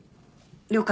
了解。